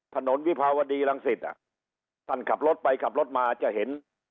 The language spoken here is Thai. วิภาวดีรังสิตอ่ะท่านขับรถไปขับรถมาจะเห็น